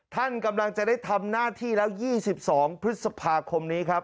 ท่านกำลังจะได้ทำหน้าที่แล้ว๒๒พฤษภาคมนี้ครับ